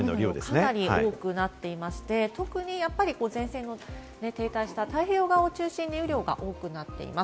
かなり多くなっていまして、特に前線が停滞した太平洋側を中心に雨量が多くなっています。